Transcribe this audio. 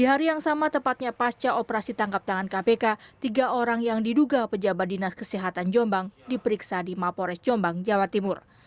di hari yang sama tepatnya pasca operasi tangkap tangan kpk tiga orang yang diduga pejabat dinas kesehatan jombang diperiksa di mapores jombang jawa timur